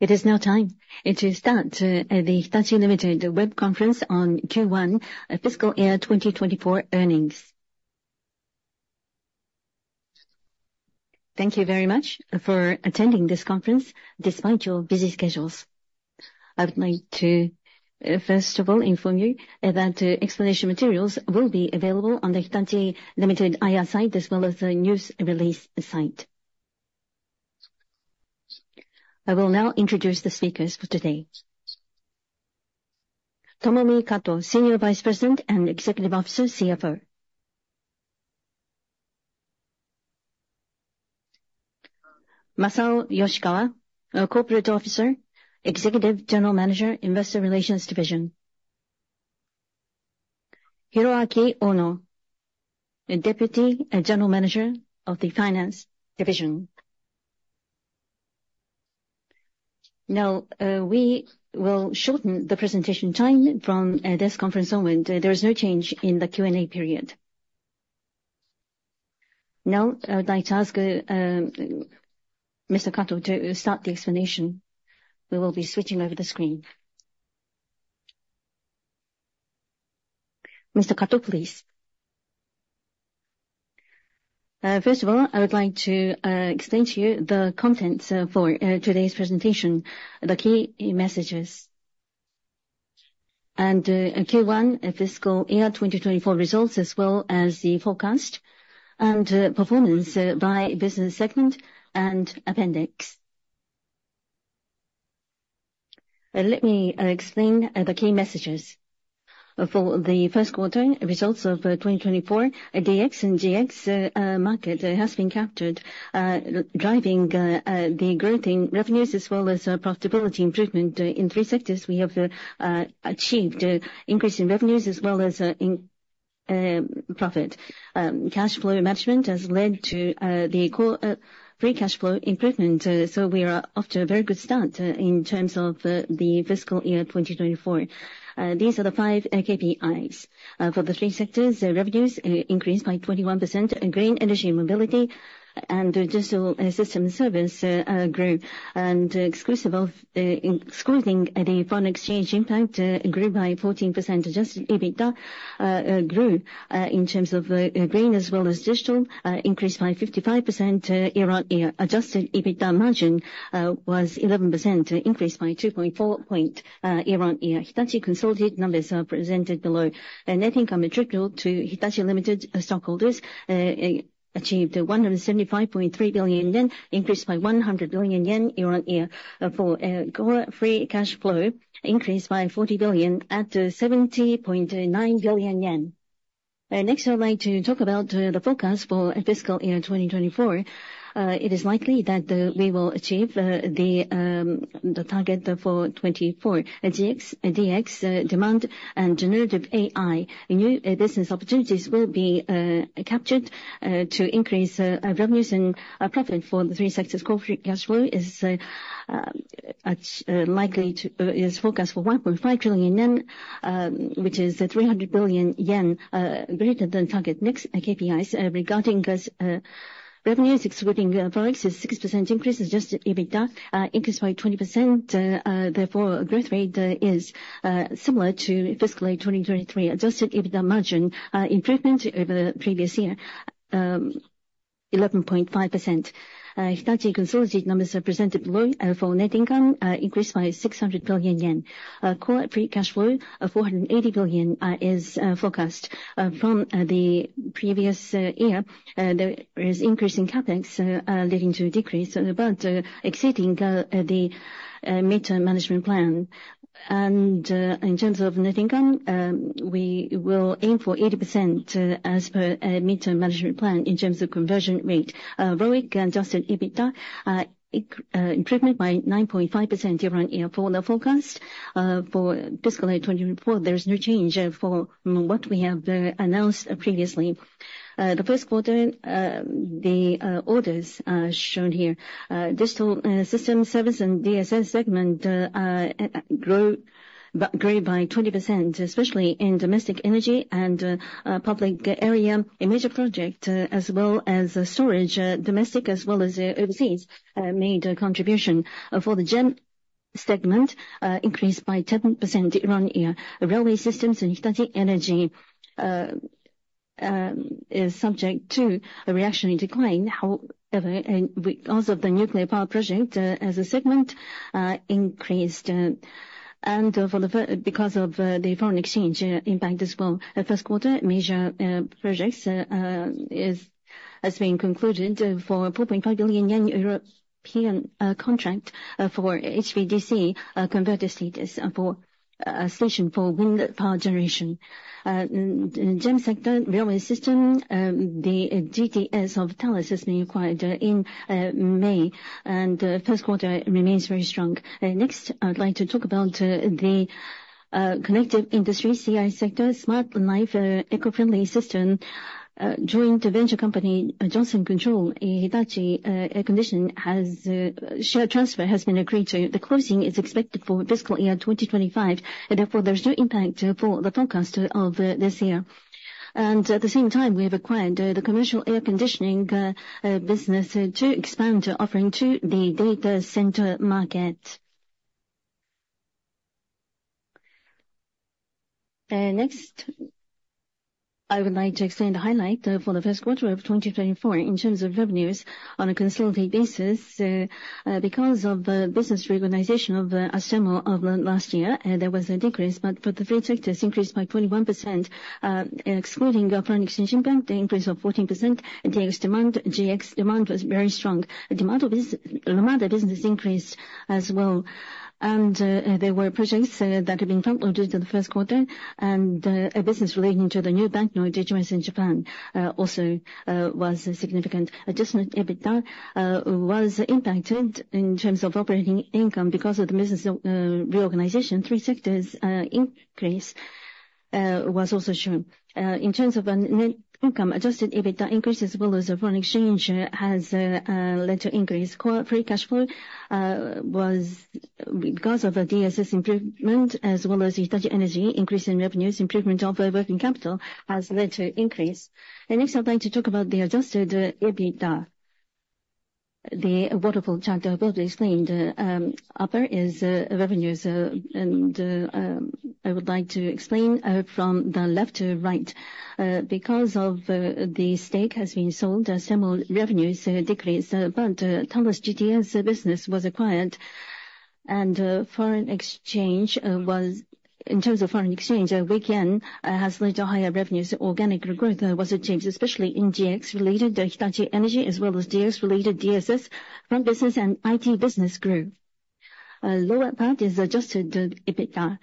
It is now time it to start the Hitachi, Ltd. web conference on Q1 Fiscal Year 2024 Earnings. Thank you very much for attending this conference despite your busy schedules. I would like to first of all inform you that explanation materials will be available on the Hitachi Limited IR site as well as the news release site. I will now introduce the speakers for today. Tomomi Kato, Senior Vice President and Executive Officer, CFO. Masao Yoshikawa, Corporate Officer, Executive General Manager, Investor Relations Division. Hiroaki Ono, Deputy General Manager of the Finance Division. Now we will shorten the presentation time from this conference onward. There is no change in the Q&A period. Now, I would like to ask Mr. Kato to start the explanation. We will be switching over the screen. Mr. Kato, please. First of all, I would like to explain to you the contents for today's presentation, the key messages. Q1 fiscal year 2024 results, as well as the forecast, and performance by business segment and appendix. Let me explain the key messages. For the first quarter, results of 2024, DX and GX market has been captured, driving the growth in revenues as well as profitability improvement. In three sectors, we have achieved increase in revenues as well as in profit. Cash flow management has led to the core free cash flow improvement, so we are off to a very good start in terms of the fiscal year 2024. These are the five KPIs. For the three sectors, revenues increased by 21%, and Green Energy & Mobility, and Digital Systems & Services grew. Excluding the foreign exchange impact, grew by 14%. Adjusted EBITDA grew in terms of green as well as digital, increased by 55% year-on-year. Adjusted EBITDA margin was 11%, increased by 2.4 points year-on-year. Hitachi consolidated numbers are presented below. Net income attributable to Hitachi Limited stockholders achieved 175.3 billion yen, increased by 100 billion yen year-on-year. For core free cash flow, increased by 40 billion to 70.9 billion yen. Next, I would like to talk about the forecast for fiscal year 2024. It is likely that we will achieve the target for 2024. DX demand and generative AI new business opportunities will be captured to increase revenues and profit for the three sectors. Core free cash flow is likely to is forecast for 1.5 trillion yen, which is 300 billion yen greater than target. Next, KPIs. Regarding revenues excluding forex is 6% increase. Adjusted EBITDA increased by 20%, therefore growth rate is similar to fiscal year 2023. Adjusted EBITDA margin improvement over the previous year 11.5%. Hitachi consolidated numbers are presented below. For net income increased by 600 billion yen. Core free cash flow of 480 billion is forecast from the previous year. There is increase in CapEx leading to a decrease, but exceeding the midterm management plan. In terms of net income, we will aim for 80% as per midterm management plan in terms of conversion rate. ROIC and adjusted EBITDA improvement by 9.5% year-on-year. For the forecast for fiscal year 2024, there is no change for what we have announced previously. The first quarter, the orders are shown here. Digital Systems & Services, and DSS segment grew by 20%, especially in domestic energy and public area. A major project, as well as storage, domestic as well as overseas, made a contribution. For the GEM segment, increased by 10% year-on-year. Railway Systems and Hitachi Energy is subject to a reactionary decline. However, because of the nuclear power project, as a segment, increased. Because of the foreign exchange impact as well, the first quarter major projects has been concluded for 4.5 billion yen, European contract for HVDC converter station for wind power generation. GEM sector railway system, the GTS of Thales has been acquired in May, and first quarter remains very strong. Next, I'd like to talk about the Connective Industries, CI sector, Smart Life & Eco-Friendly Systems Joint venture company, Johnson Controls-Hitachi Air Conditioning, share transfer has been agreed to. The closing is expected for fiscal year 2025, and therefore there's no impact for the forecast of this year. And at the same time, we have acquired the commercial air conditioning business to expand offering to the data center market. Next, I would like to explain the highlight for the first quarter of 2024 in terms of revenues on a consolidated basis. Because of the business reorganization of Astemo of last year, there was a decrease, but for the three sectors increased by 21%. Excluding foreign exchange impact, the increase of 14%, the demand, GX demand was very strong. The amount of business increased as well, and there were projects that had been front-loaded in the first quarter, and a business relating to the new banking digital in Japan also was a significant adjustment. EBITDA was impacted in terms of operating income because of the business reorganization. Three sectors increase was also shown. In terms of net income, adjusted EBITDA increases as well as the foreign exchange has led to increase. Core free cash flow was because of the DSS improvement as well as Hitachi Energy, increasing revenues, improvement of our working capital has led to increase. And next, I'd like to talk about the adjusted EBITDA. The waterfall chart I've already explained. Upper is revenues, and I would like to explain from the left to right. Because of the stake has been sold, Astemo revenues decreased, but Thales GTS business was acquired, and foreign exchange was, in terms of foreign exchange, weak yen has led to higher revenues. Organic growth was achieved, especially in GX related, the Hitachi Energy, as well as DX related DSS. Front business and IT business grew. Lower part is adjusted EBITDA.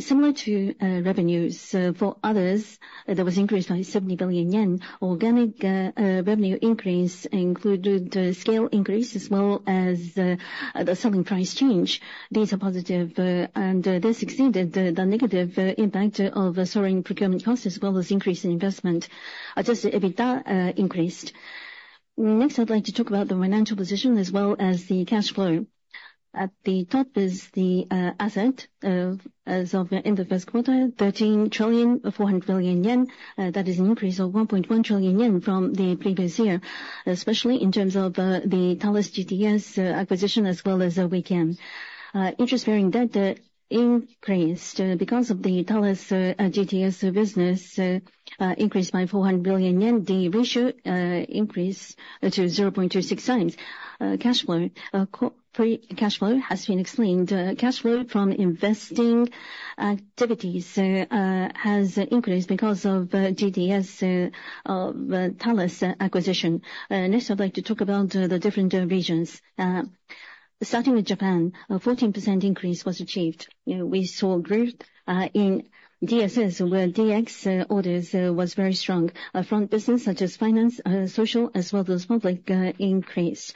Similar to revenues, for others, there was increase by 70 billion yen. Organic revenue increase included scale increase as well as the selling price change. These are positive, and this exceeded the negative impact of soaring procurement costs as well as increase in investment. Adjusted EBITDA increased. Next, I'd like to talk about the financial position as well as the cash flow. At the top is the asset as of the first quarter, 13.4 trillion. That is an increase of 1.1 trillion yen from the previous year, especially in terms of the Thales GTS acquisition, as well as weak yen. Interest bearing debt increased because of the Thales GTS business, increased by 400 billion yen. The ratio increased to 0.26x. Cash flow, core free cash flow has been explained. Cash flow from investing activities has increased because of GTS Thales acquisition. Next, I'd like to talk about the different regions. Starting with Japan, a 14% increase was achieved. You know, we saw growth in DSS, where DX orders was very strong. Front business such as finance, social as well as public, increased.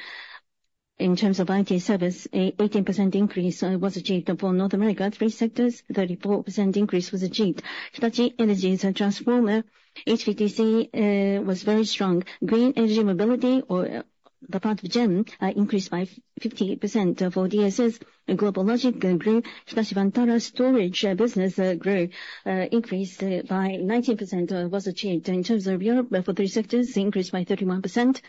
In terms of IT service, an 18% increase was achieved. For North America, three sectors, 34% increase was achieved. Hitachi Energy's transformer, HVDC, was very strong. Green Energy Mobility or the part of GEM, increased by 50%. For DSS, GlobalLogic grew, Hitachi Vantara storage business, grew, increased by 19%, was achieved. In terms of Europe, for three sectors, increased by 31%.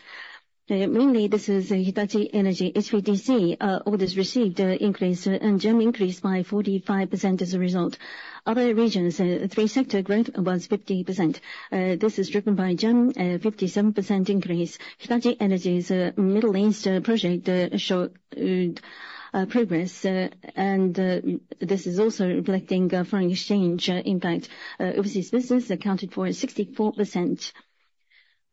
Mainly, this is Hitachi Energy. HVDC orders received increased, and GEM increased by 45% as a result. Other regions, three sector growth was 50%. This is driven by GEM, 57% increase. Hitachi Energy's Middle East project showed progress and this is also reflecting a foreign exchange impact. Overseas business accounted for 64%.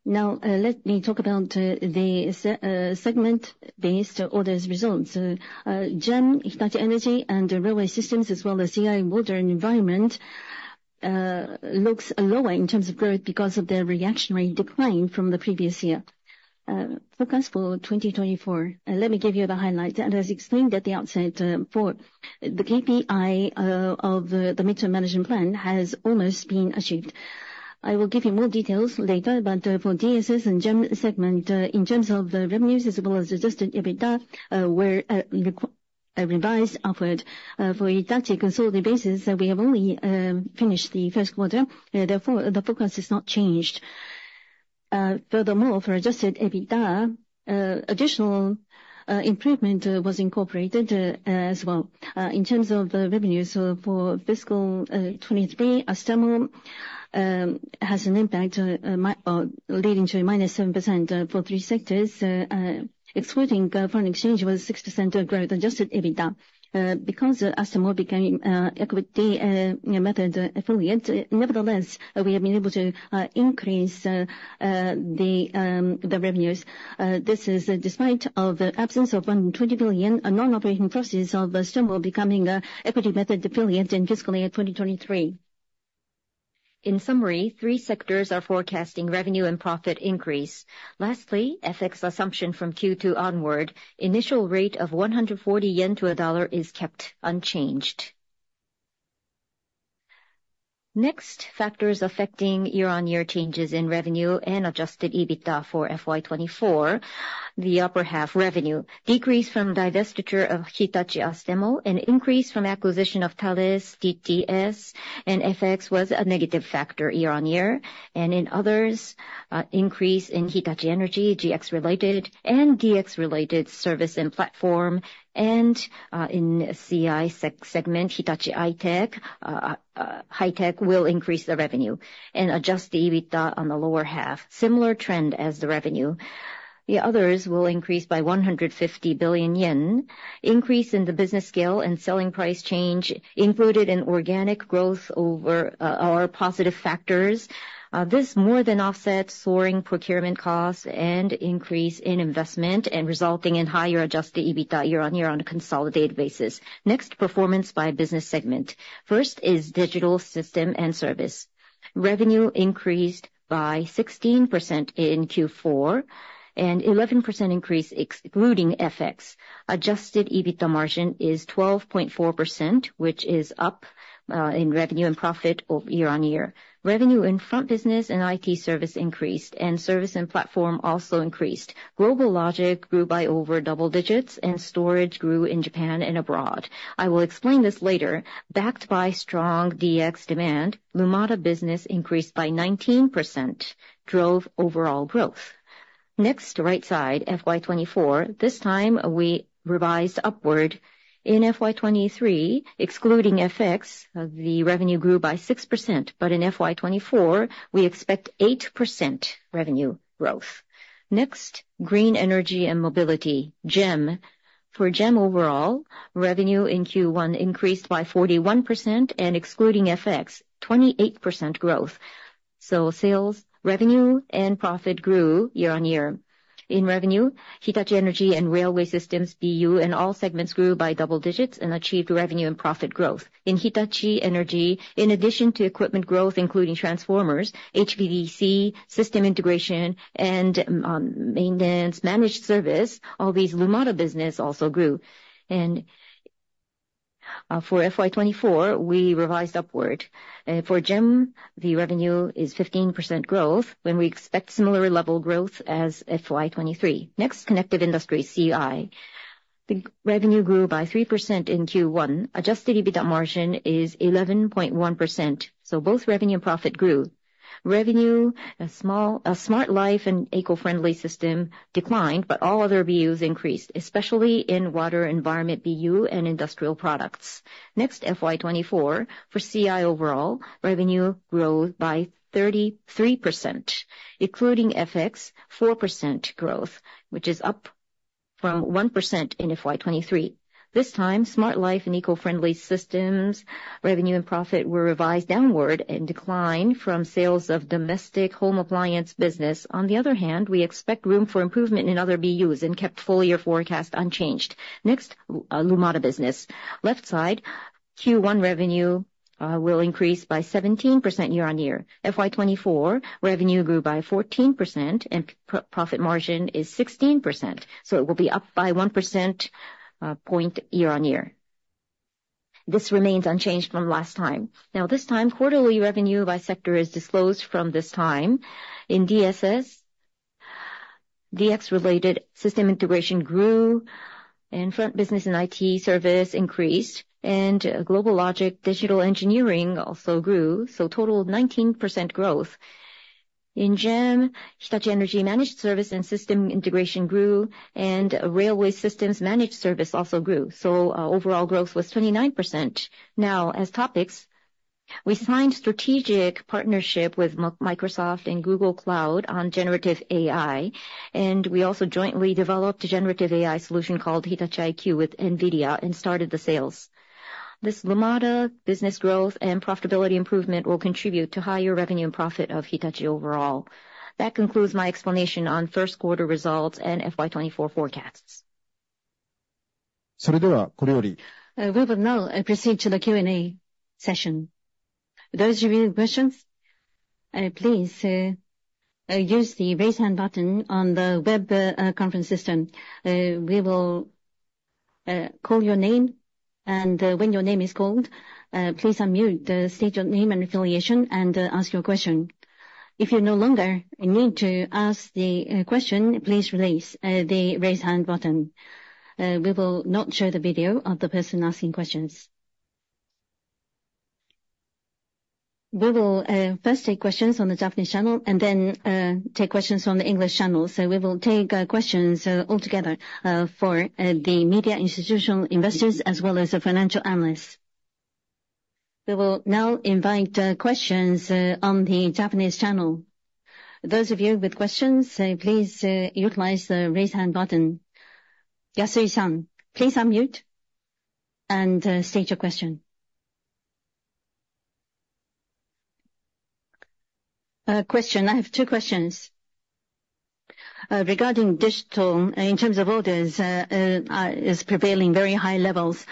Now let me talk about the segment-based orders results. GEM, Hitachi Energy and Railway Systems, as well as CI Water & Environment, looks lower in terms of growth because of their reactionary decline from the previous year. Forecast for 2024, let me give you the highlights. And as explained at the outset, for the KPI of the midterm management plan has almost been achieved. I will give you more details later, but for DSS and GEM segment, in terms of the revenues as well as adjusted EBITDA, were revised upward. For Hitachi consolidated basis, we have only finished the first quarter, therefore, the focus has not changed. Furthermore, for Adjusted EBITDA, additional improvement was incorporated as well. In terms of the revenues, for fiscal 2023, Astemo has an impact leading to a -7% for three sectors, excluding foreign exchange, was 6% growth adjusted EBITDA. Because Astemo became equity method affiliate, nevertheless, we have been able to increase the revenues. This is despite of the absence of 120 billion, a non-operating purchase of Astemo becoming a equity method affiliate in fiscal year 2023. In summary, three sectors are forecasting revenue and profit increase. Lastly, FX assumption from Q2 onward, initial rate of 140 yen to $1 is kept unchanged. Next, factors affecting year-on-year changes in revenue and adjusted EBITDA for FY 2024, the upper half revenue decreased from divestiture of Hitachi Astemo and increased from acquisition of Thales GTS, and FX was a negative factor year on year. And in others, increase in Hitachi Energy, GX related and DX related service and platform, and in CI segment, Hitachi High-Tech will increase the revenue and adjusted EBITDA on the lower half. Similar trend as the revenue. The others will increase by 150 billion yen. Increase in the business scale and selling price change included in organic growth over are positive factors. This more than offsets soaring procurement costs and increase in investment, and resulting in higher adjusted EBITDA year-on-year on a consolidated basis. Next, performance by business segment. First is Digital Systems and Services. Revenue increased by 16% in Q4, and 11% increase excluding FX. Adjusted EBITDA margin is 12.4%, which is up in revenue and profit year-on-year. Revenue in Front Business and IT Service increased, and Service and Platform also increased. GlobalLogic grew by over double digits and storage grew in Japan and abroad. I will explain this later. Backed by strong DX demand, Lumada business increased by 19%, drove overall growth. Next, right side, FY 2024. This time, we revised upward. In FY 2023, excluding FX, the revenue grew by 6%, but in FY 2024, we expect 8% revenue growth. Next, Green Energy and Mobility, GEM. For GEM overall, revenue in Q1 increased by 41%, and excluding FX, 28% growth. So sales, revenue, and profit grew year-on-year. In revenue, Hitachi Energy and Railway Systems BU and all segments grew by double digits and achieved revenue and profit growth. In Hitachi Energy, in addition to equipment growth, including transformers, HVDC, system integration, and maintenance managed service, all these Lumada business also grew. And, for FY 2024, we revised upward. For GEM, the revenue is 15% growth, when we expect similar level growth as FY 2023. Next, Connected Industries, CI. The revenue grew by 3% in Q1. Adjusted EBITDA margin is 11.1%, so both revenue and profit grew. Revenue, a small Smart Life and Eco-Friendly Systems declined, but all other BUs increased, especially in Water Environment BU and industrial products. Next, FY 2024. For CI overall, revenue grew by 33%, including FX, 4% growth, which is up from 1% in FY 2023. This time, Smart Life and Eco-Friendly Systems revenue and profit were revised downward and declined from sales of domestic home appliance business. On the other hand, we expect room for improvement in other BUs and kept full year forecast unchanged. Next, Lumada business. Left side, Q1 revenue will increase by 17% year-on-year. FY 2024, revenue grew by 14%, and profit margin is 16%, so it will be up by one percentage point year-on-year. This remains unchanged from last time. Now, this time, quarterly revenue by sector is disclosed from this time. In DSS, DX related Systems Integration grew, and Front Business and IT Service increased, and GlobalLogic Digital Engineering also grew, so total 19% growth. In GEM, Hitachi Energy Managed Service and Systems Integration grew, and Railway Systems Managed Service also grew, so overall growth was 29%. Now, as topics, we signed strategic partnership with Microsoft and Google Cloud on generative AI, and we also jointly developed a generative AI solution called Hitachi IQ with NVIDIA and started the sales. This Lumada business growth and profitability improvement will contribute to higher revenue and profit of Hitachi overall. That concludes my explanation on first quarter results and FY 2024 forecasts. We will now proceed to the Q&A session. Those of you with questions, please use the raise hand button on the web conference system. We will call your name, and when your name is called, please unmute, state your name and affiliation, and ask your question. If you no longer need to ask the question, please release the raise hand button. We will not show the video of the person asking questions. We will first take questions on the Japanese channel and then take questions on the English channel. So we will take questions altogether for the media institutional investors as well as the financial analysts. We will now invite questions on the Japanese channel. Those of you with questions, please utilize the raise hand button. Yasui-san, please unmute and state your question. I have two questions. Regarding digital, in terms of orders, is prevailing very high levels,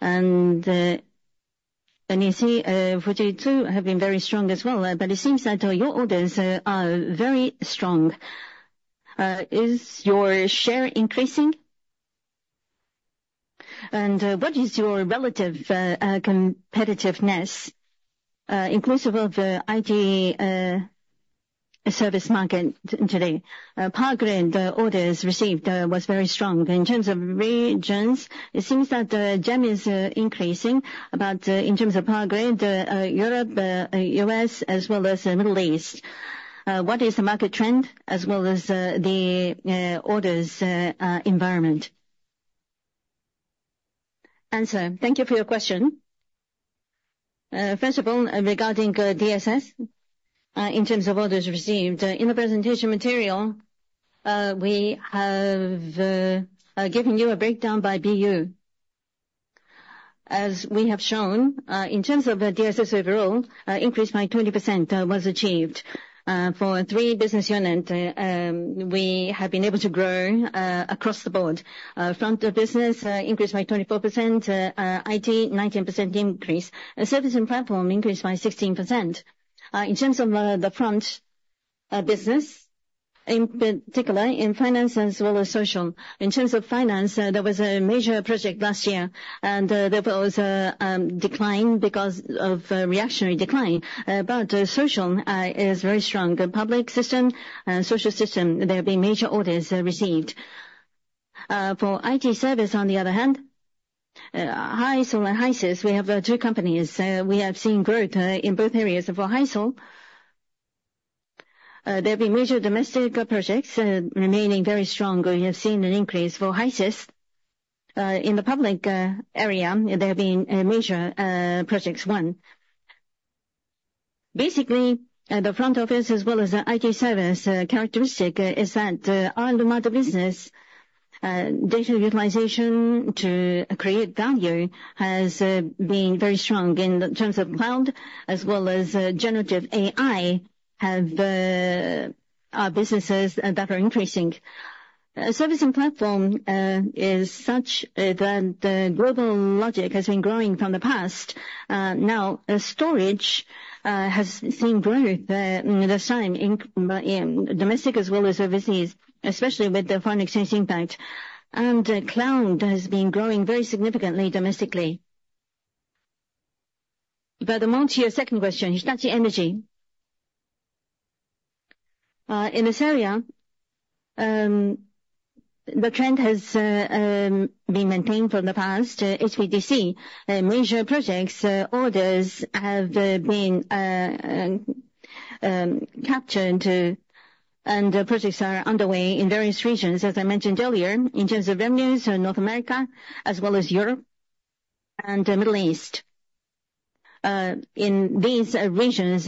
and you see, Fujitsu have been very strong as well, but it seems that your orders are very strong. Is your share increasing? And what is your relative competitiveness, inclusive of IT Service market today? Power Grid orders received was very strong. In terms of regions, it seems that GEM is increasing, but in terms of power grid, Europe, US, as well as the Middle East, what is the market trend as well as the orders environment? Thank you for your question. First of all, regarding DSS, in terms of orders received, in the presentation material, we have given you a breakdown by BU. As we have shown, in terms of the DSS overall, increase by 20% was achieved. For three business unit, we have been able to grow across the board. Front Business increased by 24%, IT, 19% increase. Service and Platform increased by 16%. In terms of the Front Business, in particular, in finance as well as social, in terms of finance, there was a major project last year, and there was a decline because of reactionary decline. But social is very strong. The public system and social system, there have been major orders received. For IT Service, on the other hand, HISO and HISIS, we have two companies. We have seen growth in both areas. For HISO, there have been major domestic projects remaining very strong. We have seen an increase for HISIS. In the public area, there have been major projects won. Basically, the front office as well as the IT Service characteristic is that all in the matter business, data utilization to create value has been very strong in terms of cloud, as well as generative AI have businesses that are increasing. Service and Platform is such that the GlobalLogic has been growing from the past. Now, Storage has seen growth this time in domestic as well as overseas, especially with the foreign exchange impact. And cloud has been growing very significantly domestically. But to move to your second question, Hitachi Energy. In this area, the trend has been maintained from the past, HVDC. Major projects orders have been captured into, and projects are underway in various regions. As I mentioned earlier, in terms of revenues in North America, as well as Europe and the Middle East, in these regions,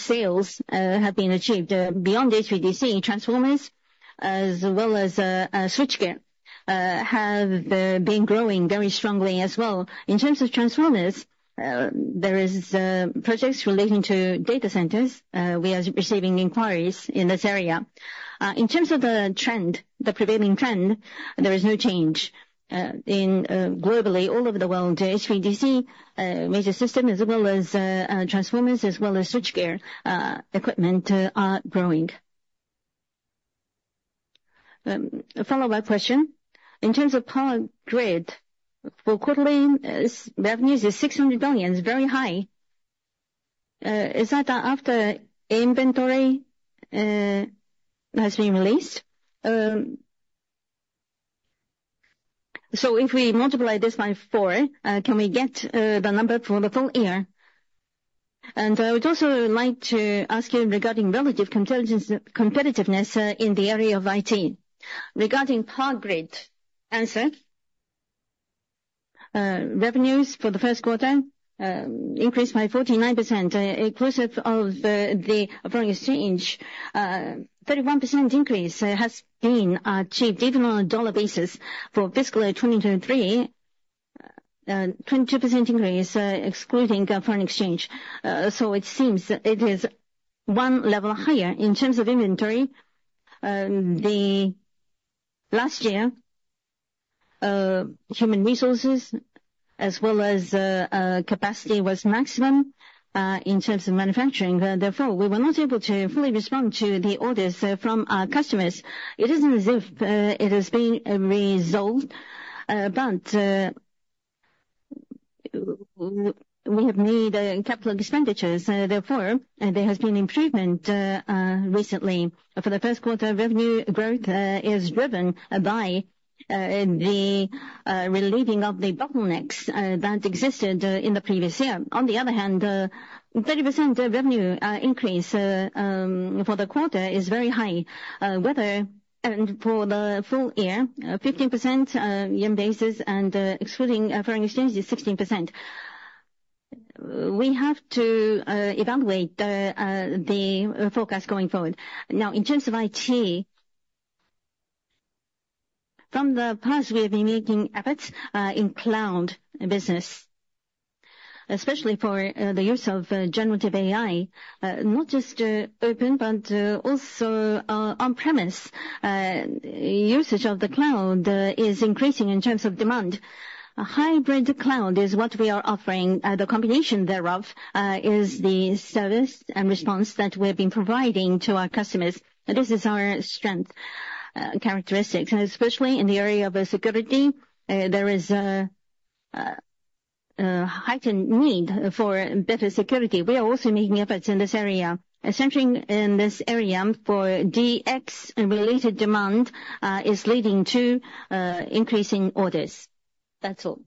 sales have been achieved. Beyond HVDC, transformers, as well as switchgear, have been growing very strongly as well. In terms of transformers, there is projects relating to data centers. We are receiving inquiries in this area. In terms of the trend, the prevailing trend, there is no change. In globally, all over the world, HVDC major system, as well as transformers, as well as switchgear equipment, are growing. In terms of power grid, for quarterly revenues is 600 billion, is very high. Is that after inventory has been released? So if we multiply this by 4, can we get the number for the full year? And I would also like to ask you regarding relative intelligence, competitiveness in the area of IT. Regarding power grid. Revenues for the first quarter increased by 49%. Inclusive of the foreign exchange, 31% increase has been achieved, even on a dollar basis for fiscal year 2023, 22% increase excluding foreign exchange. So it seems it is one level higher. In terms of inventory, the last year, human resources as well as capacity was maximum in terms of manufacturing. Therefore, we were not able to fully respond to the orders from our customers. It isn't as if it has been resolved, but we have made capital expenditures, therefore, there has been improvement recently. For the first quarter, revenue growth is driven by the relieving of the bottlenecks that existed in the previous year. On the other hand, 30% revenue increase for the quarter is very high. Whether for the full year, 15% year-on-year basis, and excluding foreign exchange, is 16%. We have to evaluate the forecast going forward. Now, in terms of IT, from the past, we have been making efforts in cloud business, especially for the use of Generative AI. Not just open, but also on premise. Usage of the cloud is increasing in terms of demand. A hybrid cloud is what we are offering. The combination thereof is the service and response that we've been providing to our customers. This is our strength, characteristics, and especially in the area of security, there is a heightened need for better security. We are also making efforts in this area. Essentially, in this area, for DX and related demand, is leading to increasing orders. That's all.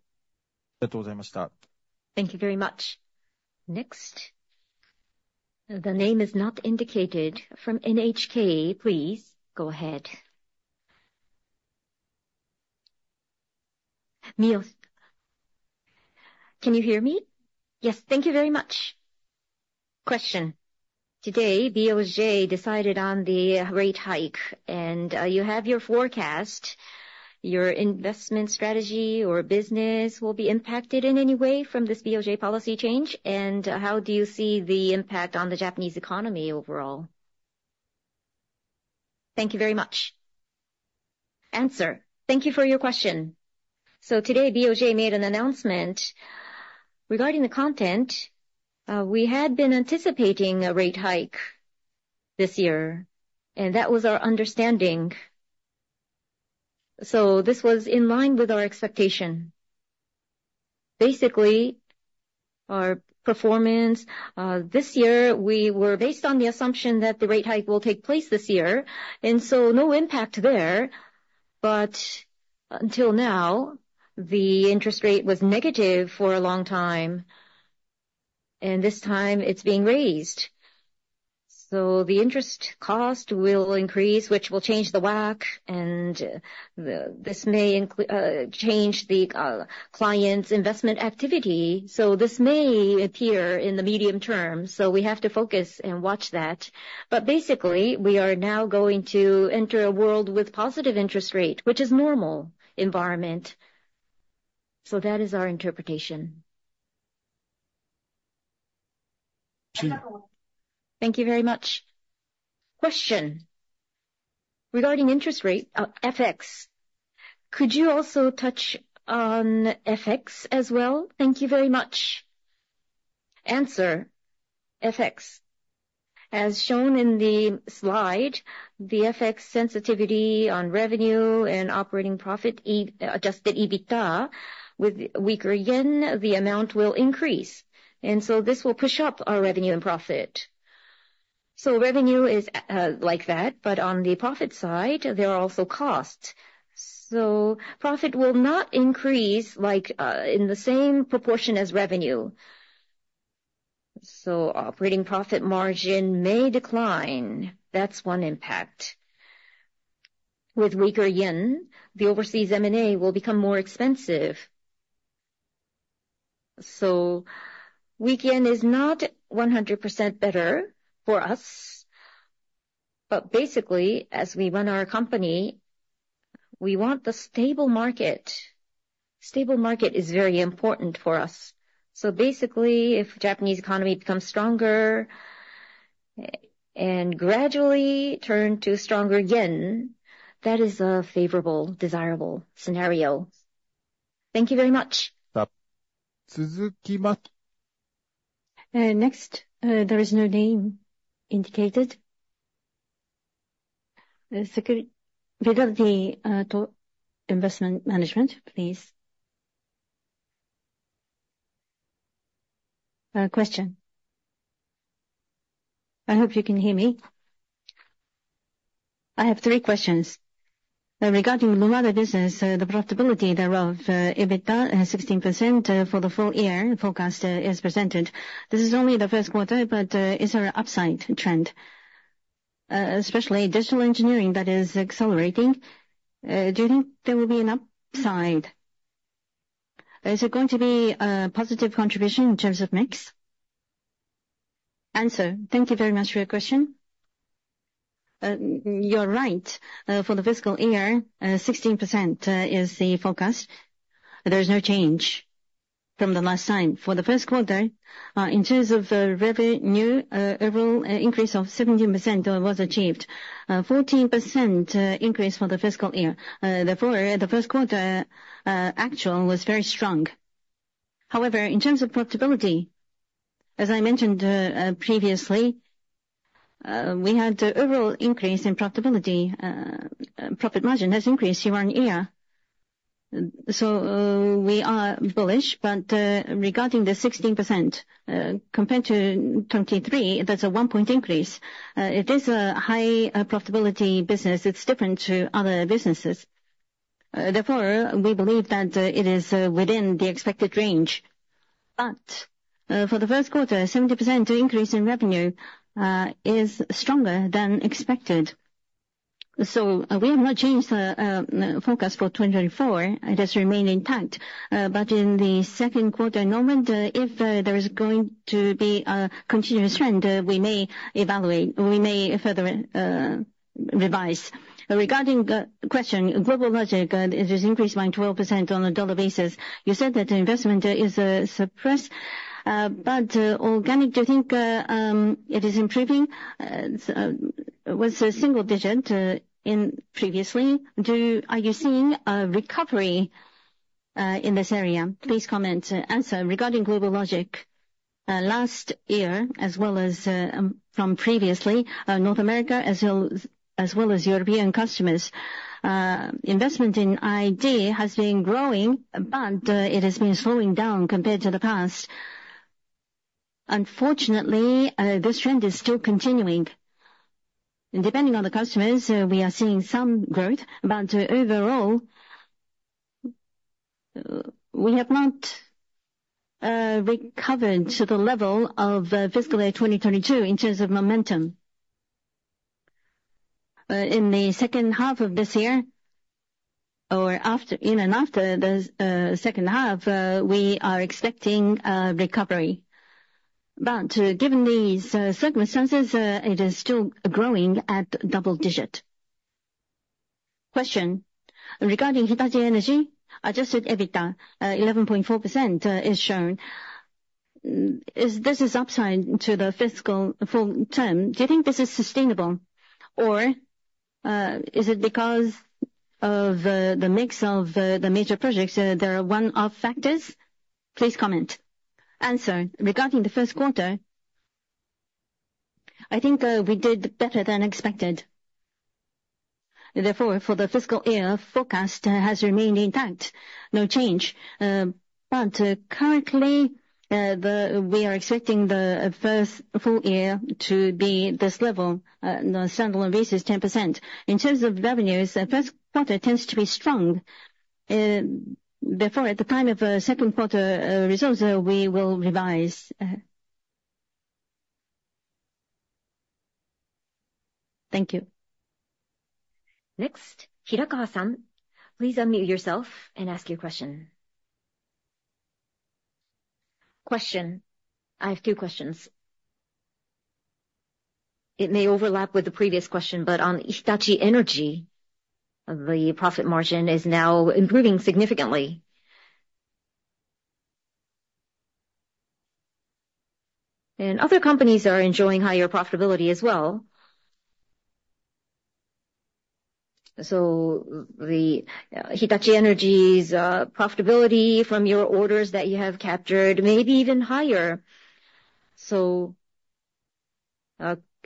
Thank you very much. Next? The name is not indicated. From NHK, please go ahead. Mio, can you hear me? Yes, thank you very much. Today, BOJ decided on the rate hike, and you have your forecast. Your investment strategy or business will be impacted in any way from this BOJ policy change? And how do you see the impact on the Japanese economy overall? Thank you very much. Thank you for your question. So today, BOJ made an announcement. Regarding the content, we had been anticipating a rate hike this year, and that was our understanding, so this was in line with our expectation. Basically, our performance this year, we were based on the assumption that the rate hike will take place this year, and so no impact there. But until now, the interest rate was negative for a long time, and this time it's being raised. So the interest cost will increase, which will change the WACC, and this may change the client's investment activity. So this may appear in the medium term, so we have to focus and watch that. But basically, we are now going to enter a world with positive interest rate, which is normal environment. So that is our interpretation. Thank you very much. Regarding interest rate, FX, could you also touch on FX as well? Thank you very much. FX. As shown in the slide, the FX sensitivity on revenue and operating profit, adjusted EBITDA, with weaker yen, the amount will increase, and so this will push up our revenue and profit. So revenue is, like that, but on the profit side, there are also costs, so profit will not increase like, in the same proportion as revenue. So operating profit margin may decline. That's one impact. With weaker yen, the overseas M&A will become more expensive. So weak yen is not 100% better for us, but basically, as we run our company, we want the stable market. Stable market is very important for us. So basically, if Japanese economy becomes stronger, and gradually turn to stronger yen, that is a favorable, desirable scenario. Thank you very much. Next, there is no name indicated. Regarding to investment management, please. I hope you can hear me. I have three questions. Regarding the Mobility business, the profitability thereof, EBITDA, 16% for the full year forecast, is presented. This is only the first quarter, but, is there an upside trend? Especially digital engineering that is accelerating, do you think there will be an upside? Is it going to be a positive contribution in terms of mix? Thank you very much for your question. You're right. For the fiscal year, 16% is the forecast. There's no change from the last time. For the first quarter, in terms of revenue, overall, increase of 17% was achieved. 14% increase for the fiscal year. Therefore, the first quarter actual was very strong. However, in terms of profitability, as I mentioned, previously, we had overall increase in profitability. Profit margin has increased year-on-year, so, we are bullish. But, regarding the 16%, compared to 2023, that's a one point increase. It is a high profitability business. It's different to other businesses. Therefore, we believe that, it is, within the expected range. But, for the first quarter, 70% increase in revenue, is stronger than expected. So we have not changed the, forecast for 2024. It has remained intact. But in the second quarter moment, if, there is going to be a continuous trend, we may evaluate, we may further, revise. Regarding the question, GlobalLogic, it has increased by 12% on a dollar basis. You said that the investment is suppressed, but organic, do you think it is improving? Was a single digit in previously. Are you seeing a recovery in this area? Please comment. Regarding GlobalLogic, last year, as well as from previously, North America, as well as European customers, investment in ID has been growing, but it has been slowing down compared to the past. Unfortunately, this trend is still continuing. Depending on the customers, we are seeing some growth, but overall, we have not recovered to the level of fiscal year 2022 in terms of momentum. In the second half of this year or after, in and after this second half, we are expecting a recovery. But given these circumstances, it is still growing at double-digit. Regarding Hitachi Energy, adjusted EBITDA, 11.4% is shown. Is this an upside to the fiscal full term? Do you think this is sustainable, or is it because of the mix of the major projects, there are one-off factors? Please comment. Regarding the first quarter, I think we did better than expected. Therefore, for the fiscal year, forecast has remained intact, no change. But currently, we are expecting the first full year to be this level, the standalone basis, 10%. In terms of revenues, the first quarter tends to be strong. Therefore, at the time of, second quarter, results, we will revise. Thank you. Next, Hirakawa-san, please unmute yourself and ask your question. I have two questions. It may overlap with the previous question, but on Hitachi Energy, the profit margin is now improving significantly. Other companies are enjoying higher profitability as well. So the Hitachi Energy's profitability from your orders that you have captured may be even higher. So,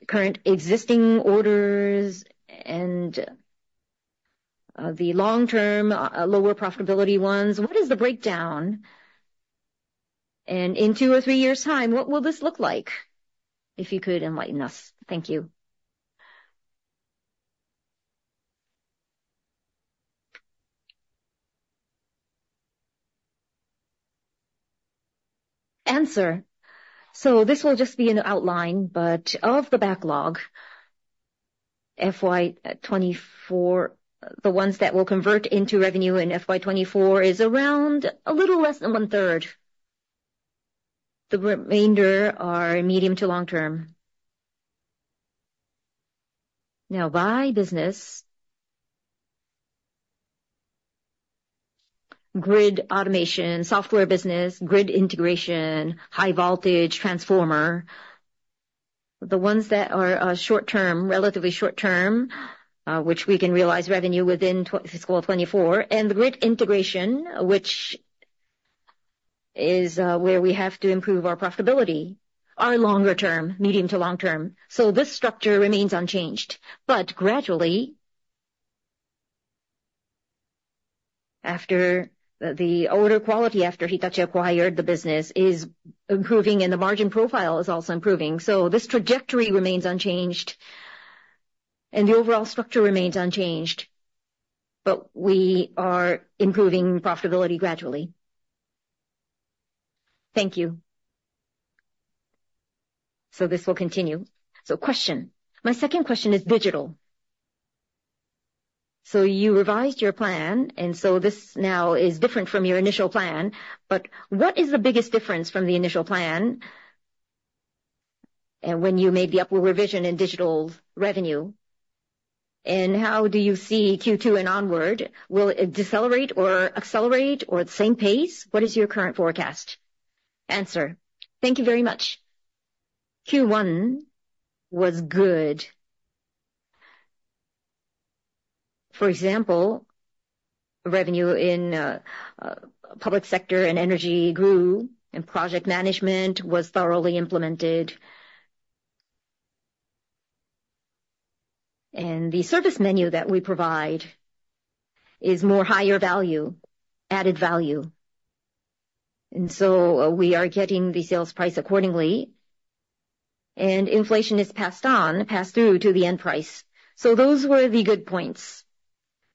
current existing orders and, the long term, lower profitability ones, what is the breakdown? In two or three years' time, what will this look like? If you could enlighten us. Thank you. So this will just be an outline, but of the backlog, FY 2024, the ones that will convert into revenue in FY 2024 is around a little less than 1/3. The remainder are medium to long term. Now, by business, grid automation, software business, grid integration, high voltage transformer, the ones that are short term, relatively short term, which we can realize revenue within fiscal 2024, and the grid integration, which is where we have to improve our profitability, are longer term, medium to long term. So this structure remains unchanged. But gradually, after the order quality after Hitachi acquired the business is improving and the margin profile is also improving. So this trajectory remains unchanged, and the overall structure remains unchanged, but we are improving profitability gradually. Thank you. My second question is digital. So you revised your plan, and so this now is different from your initial plan, but what is the biggest difference from the initial plan, and when you made the upward revision in digital revenue? And how do you see Q2 and onward, will it decelerate or accelerate or the same pace? What is your current forecast? Thank you very much. Q1 was good. For example, revenue in public sector and energy grew, and project management was thoroughly implemented. And the service menu that we provide is more higher value, added value, and so we are getting the sales price accordingly, and inflation is passed on, passed through to the end price. So those were the good points.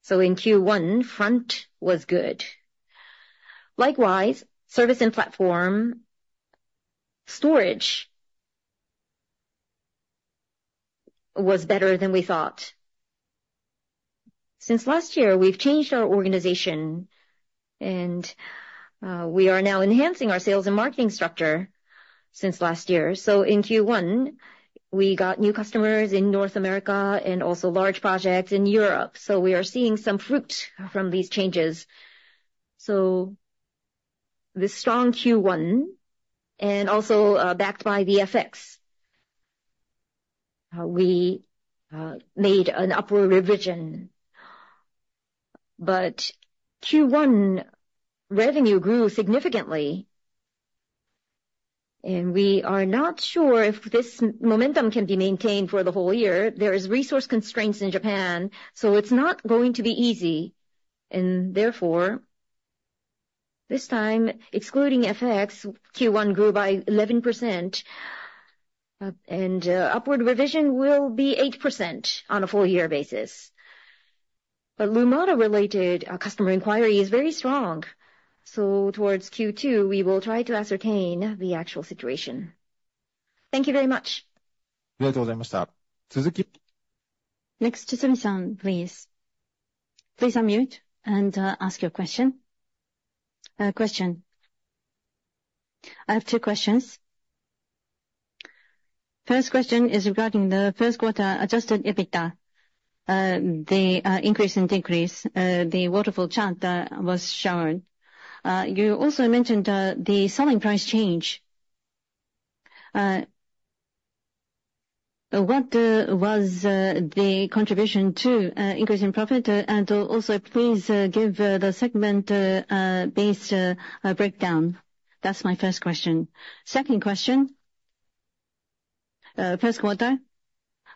So in Q1, Front was good. Likewise, Service and Platform, Storage was better than we thought. Since last year, we've changed our organization, and we are now enhancing our sales and marketing structure since last year. So in Q1, we got new customers in North America and also large projects in Europe, so we are seeing some fruit from these changes. So the strong Q1 and also backed by the FX, we made an upward revision. But Q1 revenue grew significantly, and we are not sure if this momentum can be maintained for the whole year. There is resource constraints in Japan, so it's not going to be easy. And therefore this time, excluding FX, Q1 grew by 11%, and upward revision will be 8% on a full year basis. But Lumada related customer inquiry is very strong, so towards Q2, we will try to ascertain the actual situation. Thank you very much. Thank you very much, sir. Suzuki? Next, Suzuki-san, please. Please unmute and ask your question. I have two questions. First question is regarding the first quarter adjusted EBITDA, the increase and decrease, the waterfall chart that was shown. You also mentioned the selling price change. What was the contribution to increase in profit? And also please give the segment based breakdown. That's my first question. Second question, first quarter,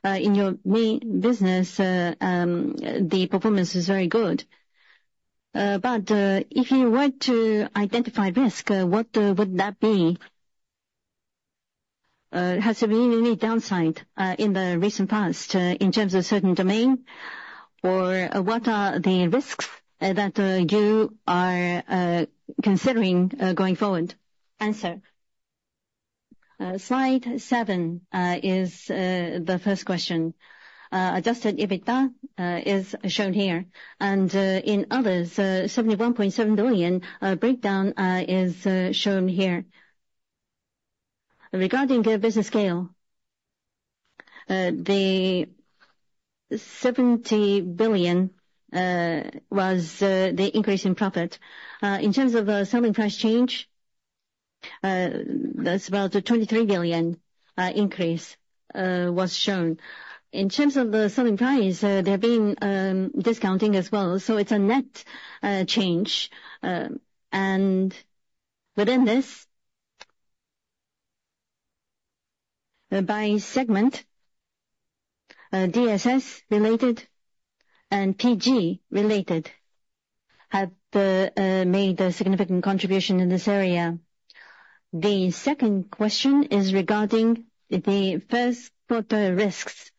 in your main business, the performance is very good. But if you were to identify risk, what would that be? Has there been any downside in the recent past, in terms of certain domain? Or what are the risks that you are considering going forward? Slide seven is the first question. Adjusted EBITDA is shown here, and in others, 71.7 billion breakdown is shown here. Regarding the business scale, the 70 billion was the increase in profit. In terms of selling price change, that's about a 23 billion increase was shown. In terms of the selling price, there have been discounting as well, so it's a net change. And within this, by segment, DSS related and PG related have made a significant contribution in this area. The second question is regarding the first quarter risks.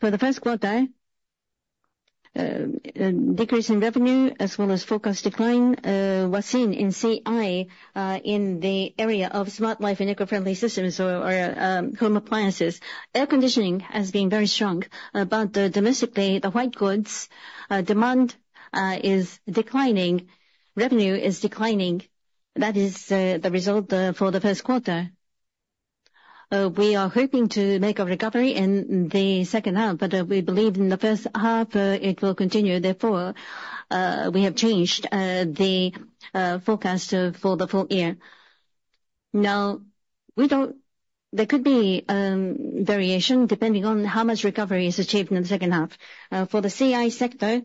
For the first quarter, decrease in revenue as well as forecast decline was seen in CI, in the area of smart life and eco-friendly systems or home appliances. Air conditioning has been very strong, but domestically, the white goods demand is declining. Revenue is declining. That is the result for the first quarter. We are hoping to make a recovery in the second half, but we believe in the first half it will continue, therefore we have changed the forecast for the full year. Now, we don't, there could be variation depending on how much recovery is achieved in the second half. For the CI sector,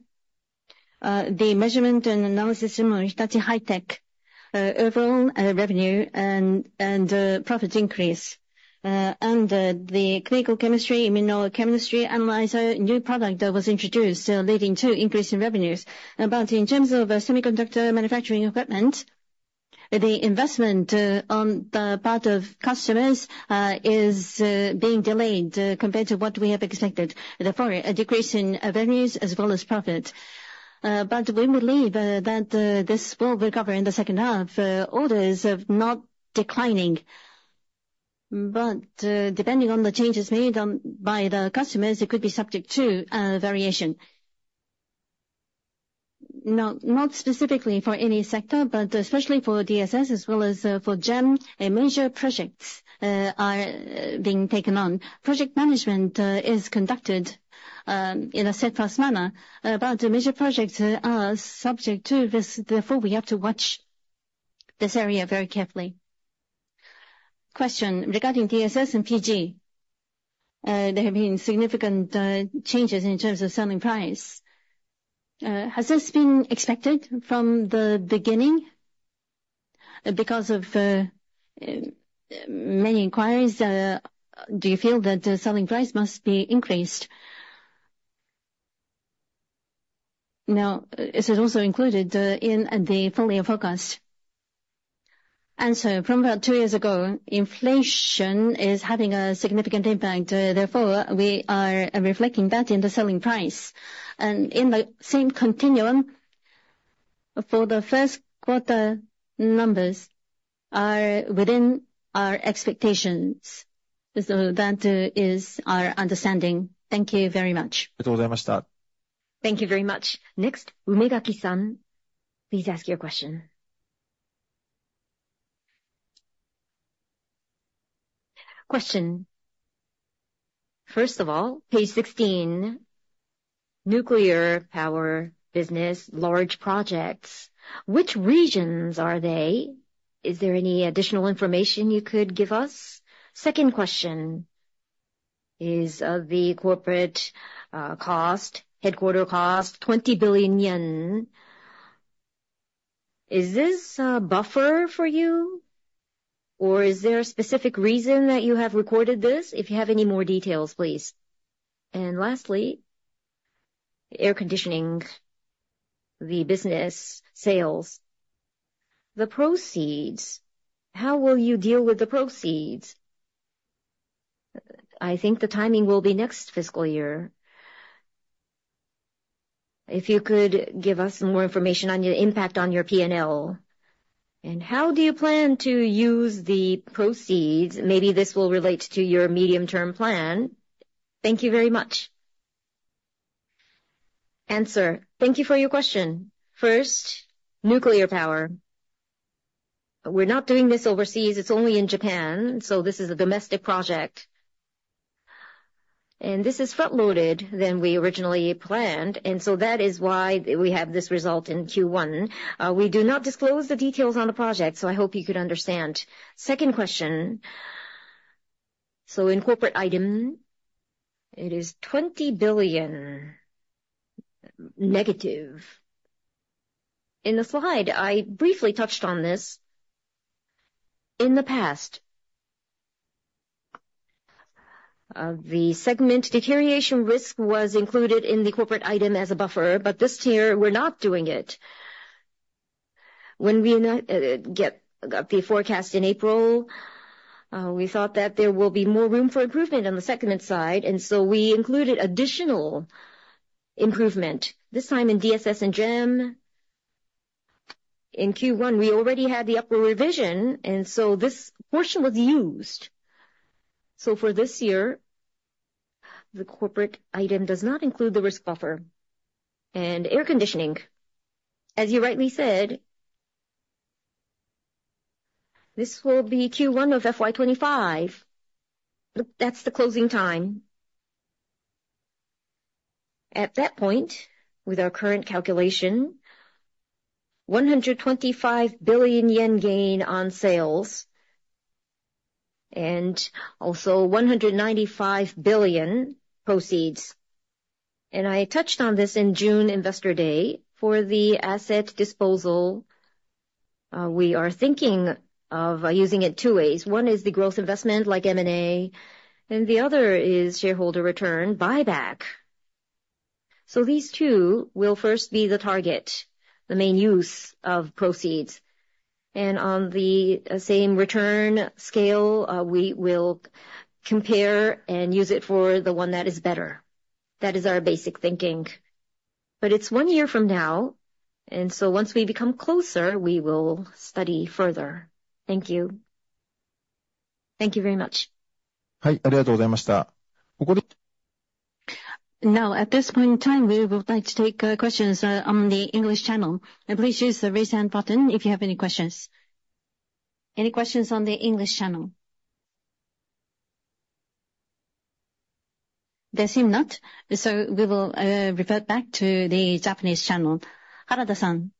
the measurement and analysis system of Hitachi High-Tech overall revenue and profit increase. And the clinical chemistry immunochemistry analyzer new product that was introduced, leading to increase in revenues. But in terms of semiconductor manufacturing equipment, the investment on the part of customers is being delayed compared to what we have expected, therefore, a decrease in revenues as well as profit. But we believe that this will recover in the second half. Orders are not declining, but depending on the changes made by the customers, it could be subject to variation. Not specifically for any sector, but especially for DSS as well as for GEM, a major projects are being taken on. Project management is conducted in a steadfast manner, but the major projects are subject to risk, therefore, we have to watch this area very carefully. Regarding DSS and PG, there have been significant changes in terms of selling price. Has this been expected from the beginning? Because of many inquiries, do you feel that the selling price must be increased? Now, is it also included in the full year forecast? From about two years ago, inflation is having a significant impact, therefore, we are reflecting that in the selling price. And in the same continuum, for the first quarter, numbers are within our expectations. So that is our understanding. Thank you very much. Thank you very much, sir. Thank you very much. Next, Umegaki-san, please ask your question. First of all, page 16, nuclear power business, large projects, which regions are they? Is there any additional information you could give us? Second question is of the corporate cost, headquarters cost, 20 billion yen. Is this a buffer for you, or is there a specific reason that you have recorded this? If you have any more details, please. And lastly, air conditioning, the business sales, the proceeds, how will you deal with the proceeds? I think the timing will be next fiscal year. If you could give us more information on your impact on your P&L. And how do you plan to use the proceeds? Maybe this will relate to your medium-term plan. Thank you very much. Thank you for your question. First, nuclear power. We're not doing this overseas, it's only in Japan, so this is a domestic project. This is front-loaded than we originally planned, and so that is why we have this result in Q1. We do not disclose the details on the project, so I hope you could understand. Second question, so in corporate item, it is -JPY 20 billion. In the slide, I briefly touched on this. In the past, the segment deterioration risk was included in the corporate item as a buffer, but this year, we're not doing it. When we not get the forecast in April, we thought that there will be more room for improvement on the segment side, and so we included additional improvement, this time in DSS and GEM. In Q1, we already had the upper revision, and so this portion was used. So for this year, the corporate item does not include the risk buffer. And air conditioning, as you rightly said, this will be Q1 of FY 2025. That's the closing time. At that point, with our current calculation, 125 billion yen gain on sales and also 195 billion proceeds. And I touched on this in June Investor Day. For the asset disposal, we are thinking of using it two ways. One is the growth investment, like M&A, and the other is shareholder return, buyback. So these two will first be the target, the main use of proceeds. And on the, same return scale, we will compare and use it for the one that is better. That is our basic thinking. But it's one year from now, and so once we become closer, we will study further. Thank you. Thank you very much. Now, at this point in time, we would like to take questions on the English channel. And please use the raise hand button if you have any questions. Any questions on the English channel? There seem not, so we will revert back to the Japanese channel. Harada-san,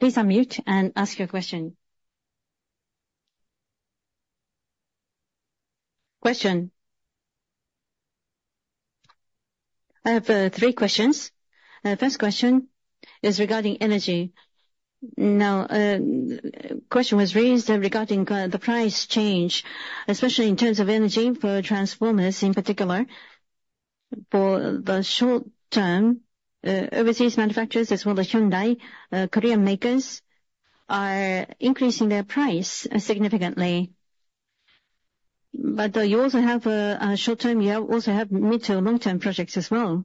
please unmute and ask your question. I have three questions. First question is regarding energy. Now, question was raised regarding the price change, especially in terms of energy for transformers, in particular. For the short term, overseas manufacturers, as well as Hyundai, Korean makers are increasing their price significantly. But, you also have a short-term, you also have mid to long-term projects as well.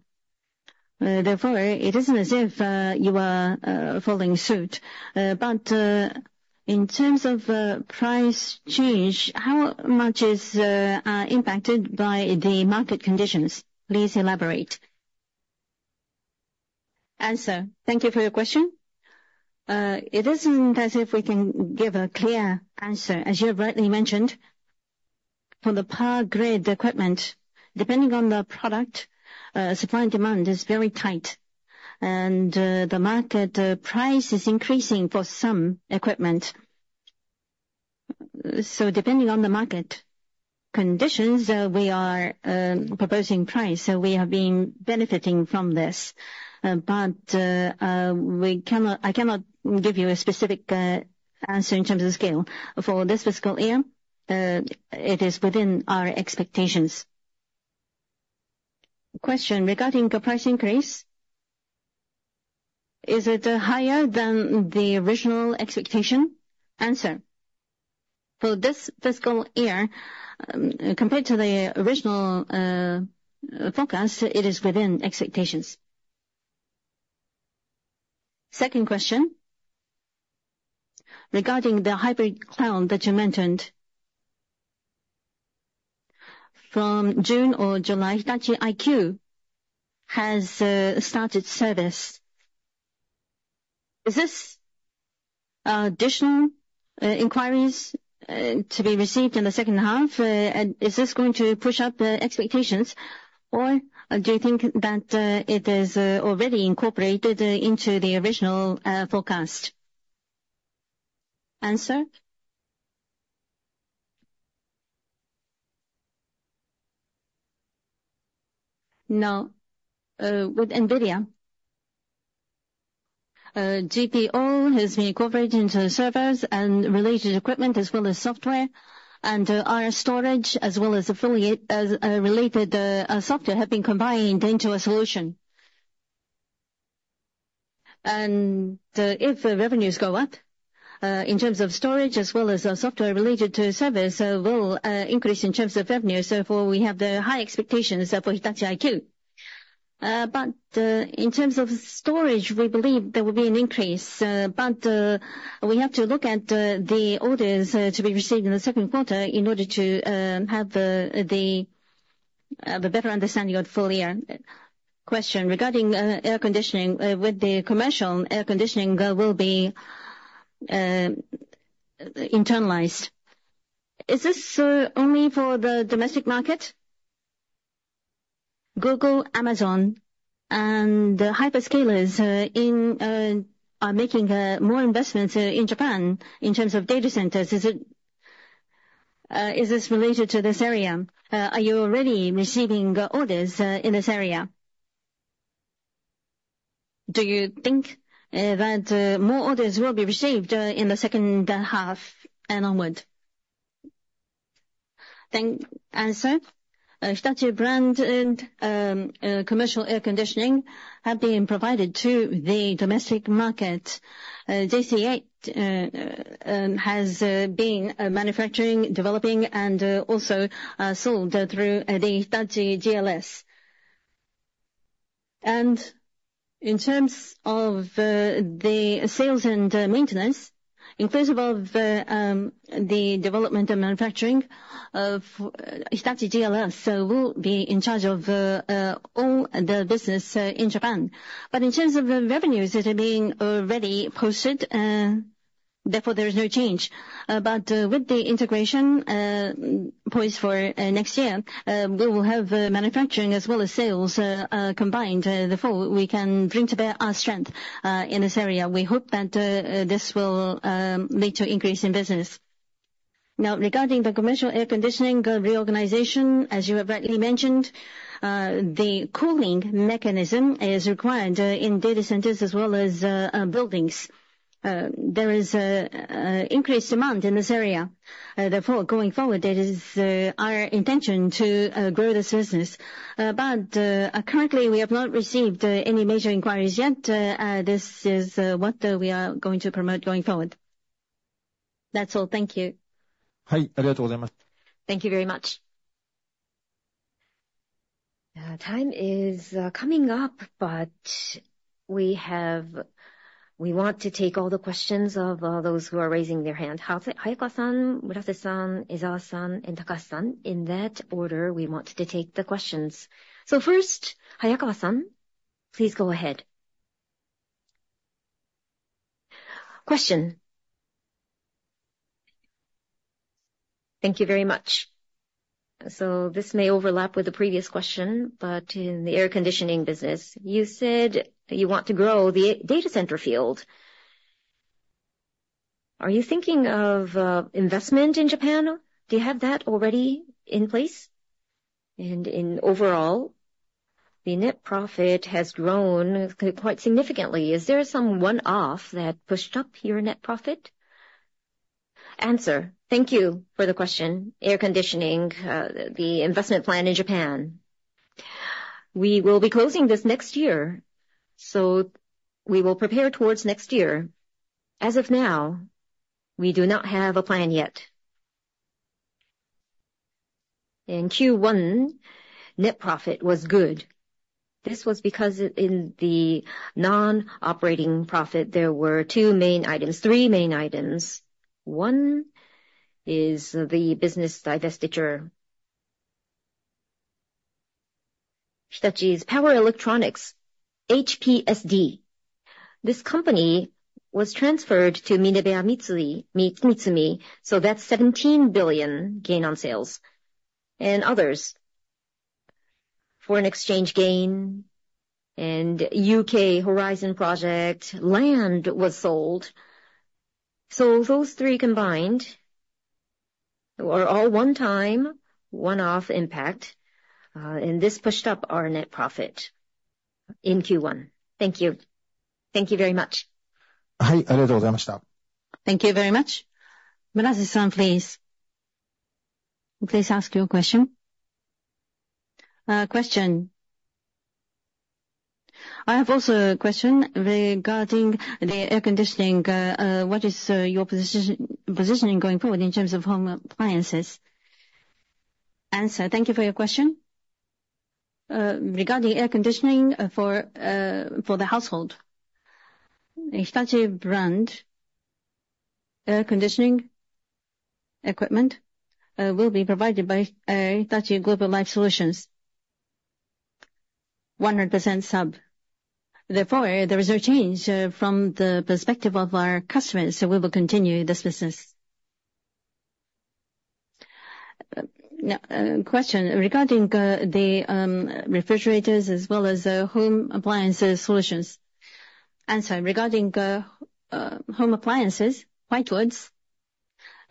Therefore, it isn't as if you are following suit. But, in terms of price change, how much is impacted by the market conditions? Please elaborate. Thank you for your question. It isn't as if we can give a clear answer. As you have rightly mentioned, for the power grid equipment, depending on the product, supply and demand is very tight, and the market price is increasing for some equipment. So depending on the market conditions, we are proposing price, so we have been benefiting from this. But we cannot. I cannot give you a specific answer in terms of scale. For this fiscal year, it is within our expectations. Regarding the price increase, is it higher than the original expectation? For this fiscal year, compared to the original, forecast, it is within expectations. Second question, regarding the hybrid cloud that you mentioned, from June or July, Hitachi IQ has started service. Is this additional inquiries to be received in the second half? And is this going to push up the expectations, or do you think that it is already incorporated into the original forecast? Now, with NVIDIA, GPU has been incorporated into servers and related equipment as well as software, and our storage, as well as affiliate, as related software, have been combined into a solution. And, if the revenues go up, in terms of storage as well as software related to service, will increase in terms of revenue. So therefore, we have the high expectations for Hitachi IQ. But, in terms of storage, we believe there will be an increase, but we have to look at the orders to be received in the second quarter in order to have the better understanding of full year. Regarding air conditioning. With the commercial air conditioning, there will be internalized. Is this only for the domestic market? Google, Amazon, and the hyperscalers are making more investments in Japan in terms of data centers. Is it is this related to this area? Are you already receiving orders in this area? Do you think that more orders will be received in the second half and onward? Thank Hitachi brand and commercial air conditioning have been provided to the domestic market. JCH has been manufacturing, developing, and also sold through the Hitachi GLS. And in terms of the sales and maintenance, in terms of the development and manufacturing of Hitachi GLS will be in charge of all the business in Japan. But in terms of the revenues that are being already posted, therefore, there is no change. But with the integration poised for next year, we will have manufacturing as well as sales combined. Therefore, we can bring to bear our strength in this area. We hope that this will lead to increase in business. Now, regarding the commercial air conditioning reorganization, as you have rightly mentioned, the cooling mechanism is required in data centers as well as buildings. There is an increased demand in this area. Therefore, going forward, it is our intention to grow this business. But currently, we have not received any major inquiries yet. This is what we are going to promote going forward. That's all. Thank you. Thank you very much. Time is coming up, but we have. We want to take all the questions of those who are raising their hand. Hayakawa-san, Murase-san, Ezawa-san, and Takada-san. In that order, we want to take the questions. So first, Hayakawa-san, please go ahead. Thank you very much. This may overlap with the previous question, but in the air conditioning business, you said you want to grow the data center field. Are you thinking of, investment in Japan? Do you have that already in place? And in overall, the net profit has grown quite significantly. Is there some one-off that pushed up your net profit? Thank you for the question. Air conditioning, the investment plan in Japan. We will be closing this next year, so we will prepare towards next year. As of now, we do not have a plan yet. In Q1, net profit was good. This was because in the non-operating profit, there were two main items, three main items. One is the business divestiture. Hitachi's power electronics, HPSD. This company was transferred to MinebeaMitsumi, so that's 17 billion gain on sales. And others, foreign exchange gain and UK Horizon Project land was sold. So those three combined were all one time, one-off impact, and this pushed up our net profit in Q1. Thank you. Thank you very much. Thank you very much. Murase-san, please. Please ask your question. I have also a question regarding the air conditioning. What is your positioning going forward in terms of home appliances? Thank you for your question. Regarding air conditioning, for the household, Hitachi brand air conditioning equipment will be provided by Hitachi Global Life Solutions, 100% sub. Therefore, there is a change from the perspective of our customers, so we will continue this business. Regarding the refrigerators as well as home appliances solutions. Regarding home appliances, white goods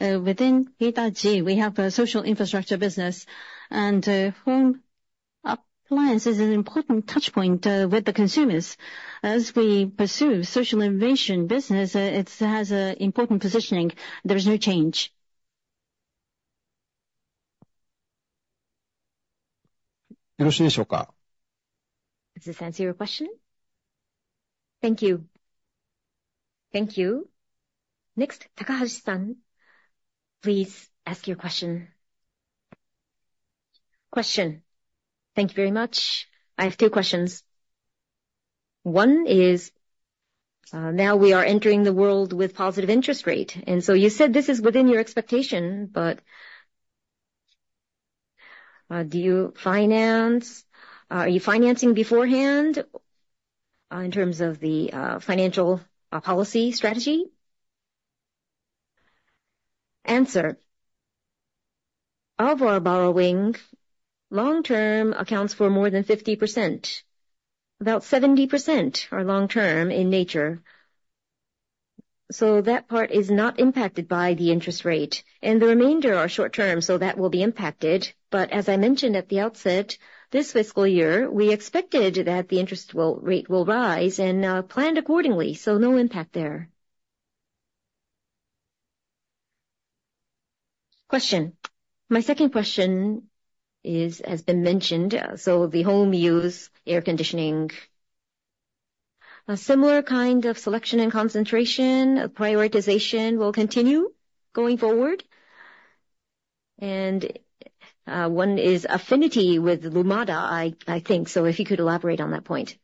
within Hitachi, we have a social infrastructure business, and home appliance is an important touchpoint with the consumers. As we pursue social innovation business, it has an important positioning. There is no change. Does this answer your question? Thank you. Thank you. Next, Takahashi-san, please ask your question. Thank you very much. I have two questions. One is, now we are entering the world with positive interest rate, and so you said this is within your expectation, but, do you finance, are you financing beforehand, in terms of the financial policy strategy? Of our borrowing, long-term accounts for more than 50%. About 70% are long-term in nature. So that part is not impacted by the interest rate, and the remainder are short-term, so that will be impacted. But as I mentioned at the outset, this fiscal year, we expected that the interest rate will rise, and planned accordingly, so no impact there. My second question is, has been mentioned, so the home use air conditioning. A similar kind of selection and concentration, prioritization will continue going forward? And, one is affinity with Lumada, I think so, if you could elaborate on that point.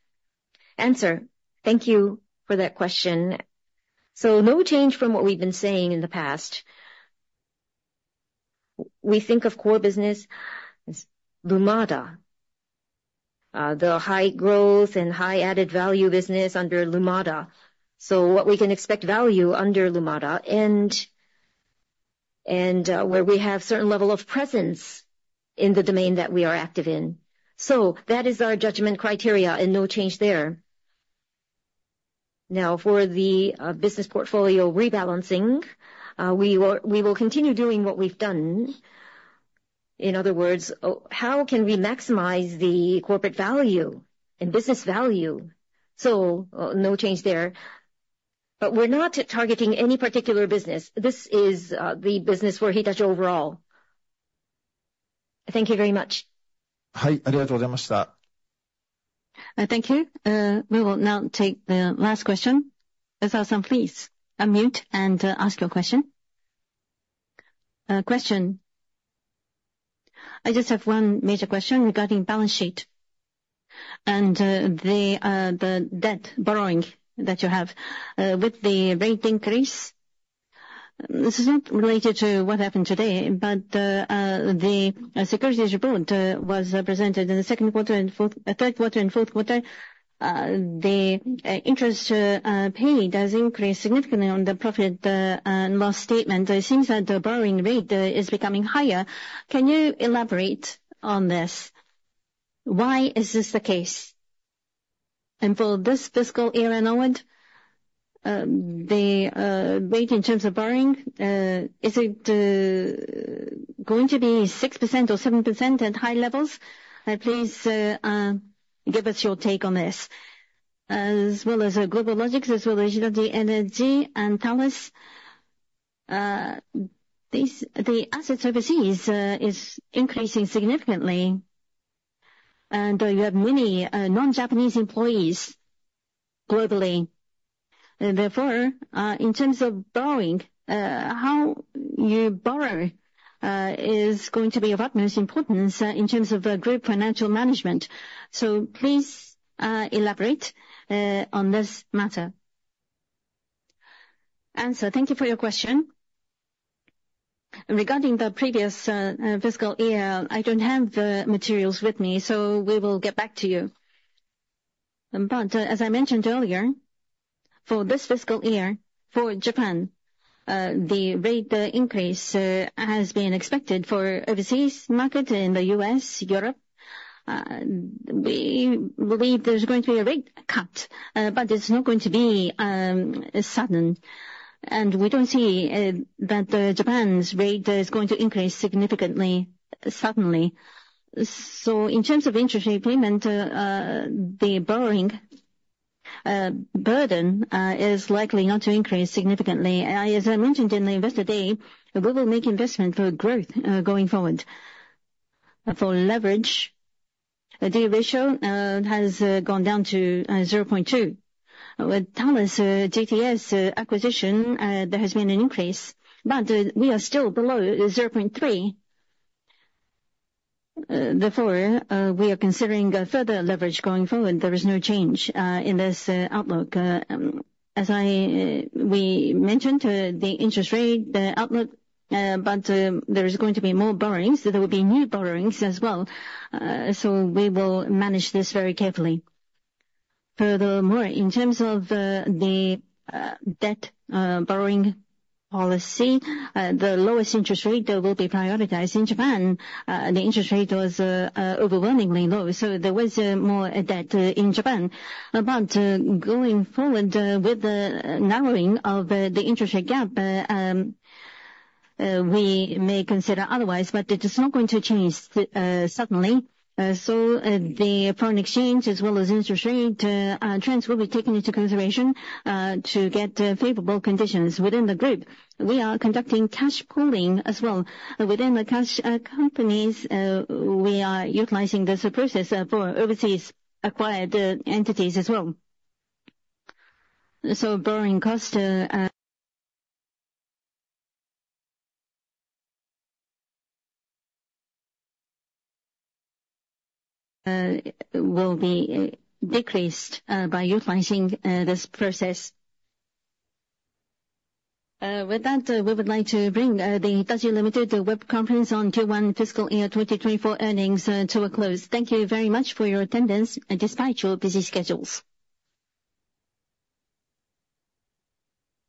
Thank you for that question. So no change from what we've been saying in the past. We think of core business as Lumada, the high growth and high added value business under Lumada. So what we can expect value under Lumada and, where we have certain level of presence in the domain that we are active in. So that is our judgment criteria, and no change there. Now, for the, business portfolio rebalancing, we will, we will continue doing what we've done. In other words, how can we maximize the corporate value and business value? So no change there. But we're not targeting any particular business. This is, the business for Hitachi overall. Thank you very much. Thank you. We will now take the last question. Ezawa-san, please, unmute and ask your question. I just have one major question regarding balance sheet and the debt borrowing that you have. With the rate increase, this is not related to what happened today, but the securities report was presented in the second quarter and fourth, third quarter and fourth quarter. The interest paid has increased significantly on the profit and loss statement. It seems that the borrowing rate is becoming higher. Can you elaborate on this? Why is this the case? And for this fiscal year and onward, the rate in terms of borrowing, is it going to be 6% or 7% at high levels? Please, give us your take on this. As well as GlobalLogic, as well as Digital Energy and Thales, these, the assets overseas, is increasing significantly, and you have many, non-Japanese employees globally. Therefore, in terms of borrowing, how you borrow, is going to be of utmost importance in terms of group financial management. So please, elaborate, on this matter. Thank you for your question. Regarding the previous fiscal year, I don't have the materials with me, so we will get back to you. But as I mentioned earlier, for this fiscal year, for Japan, the rate increase has been expected for overseas market in the U.S., Europe, we believe there's going to be a rate cut, but it's not going to be sudden. We don't see that Japan's rate is going to increase significantly, suddenly. So in terms of interest rate payment, the borrowing burden is likely not to increase significantly. As I mentioned in the Investor Day, we will make investment for growth going forward. For leverage, the debt ratio has gone down to 0.2. With Thales GTS acquisition, there has been an increase, but we are still below 0.3. Therefore, we are considering a further leverage going forward. There is no change in this outlook. As we mentioned, the interest rate outlook, but there is going to be more borrowings, so there will be new borrowings as well. So we will manage this very carefully. Furthermore, in terms of the debt borrowing policy, the lowest interest rate will be prioritized. In Japan, the interest rate was overwhelmingly low, so there was more debt in Japan. But going forward, with the narrowing of the interest rate gap, we may consider otherwise, but it is not going to change suddenly. So, the foreign exchange as well as interest rate trends will be taken into consideration to get favorable conditions within the group. We are conducting cash pooling as well. Within the cash companies, we are utilizing this process for overseas acquired entities as well. So borrowing cost will be decreased by utilizing this process. With that, we would like to bring the Hitachi, Ltd. web conference on Q1 fiscal year 2024 earnings to a close. Thank you very much for your attendance, despite your busy schedules.